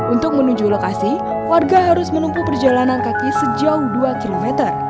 untuk menuju lokasi warga harus menempuh perjalanan kaki sejauh dua km